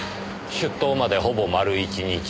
出頭までほぼ丸一日。